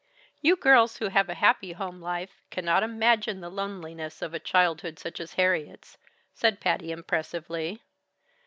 "You girls who have had a happy home life, cannot imagine the loneliness of a childhood such as Harriet's," said Patty impressively.